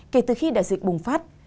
kể từ khi đại dịch bùng phát